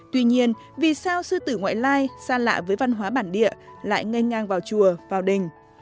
tuy nhiên vì sao sư tử ngoại lai xa lạ với văn hóa bản địa lại ngây ngang vào chùa vào đình